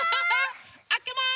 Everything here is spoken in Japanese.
あけます！